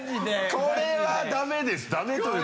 これはダメでしょダメというか。